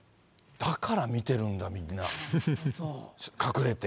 だから見てるんだ、みんな、隠れて。